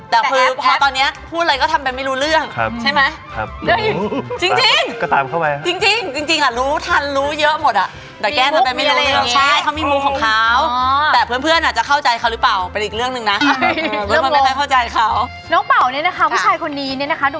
เธอละเพราะเพราะเพื่อนไม่เข้าใจฟังเพื่อนเพื่อนถ้ายี่